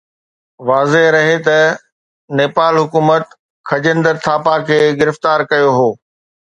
واضح رهي ته نيپال حڪومت خجندر ٿاپا کي گرفتار ڪيو هو